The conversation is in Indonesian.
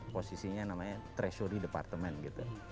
posisinya namanya treasury departemen gitu